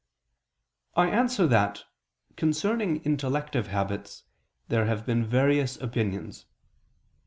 I answer that, concerning intellective habits there have been various opinions.